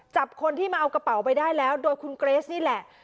จับคนที่มาเอากระเป๋าไปได้แล้วโดยคุณเกรสนี่แหละ